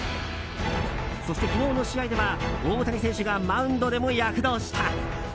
そして、昨日の試合では大谷選手がマウンドでも躍動した。